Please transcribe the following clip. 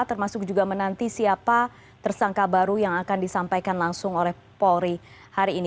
termasuk juga menanti siapa tersangka baru yang akan disampaikan langsung oleh polri hari ini